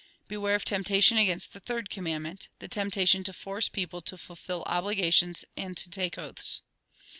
" Beware of temptation against the third com mandment ; the temptation to force neople to fulfil obligations and to take oaths."